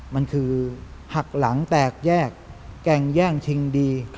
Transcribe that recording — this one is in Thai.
มันคือหักหลังแตกแยกแก่งแย่งชิงดี